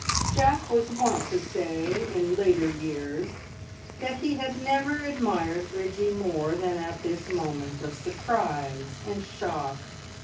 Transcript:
Jack was wont to say in later years that he had never admired Bridgie more than at this moment of surprise and shock.